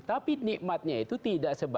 tapi nikmatnya itu tidak sebaik